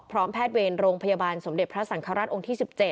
แพทย์เวรโรงพยาบาลสมเด็จพระสังฆราชองค์ที่๑๗